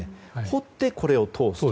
掘って、これを通すと。